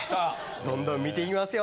どんどん見ていきますよ